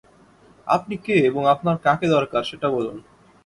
আপনি কে এবং আপনার কাকে দরকার, সেটা বলুন।